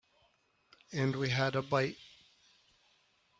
And we had a bite.